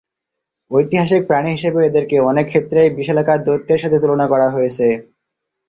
ঐতিহাসিক প্রাণী হিসেবে এদেরকে অনেক ক্ষেত্রেই বিশালাকার দৈত্যের সাথে তুলনা করা হয়েছে।